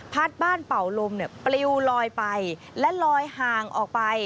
บ้านเป่าลมเนี่ยปลิวลอยไปและลอยห่างออกไป